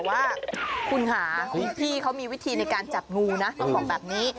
ว่าคุณค่ะพี่เขามีวิธีในการจับงูนะต้องบอกแบบนี้